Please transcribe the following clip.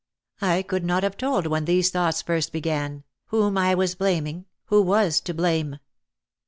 I could not have told when these thoughts first began, whom I was blaming, who was to blame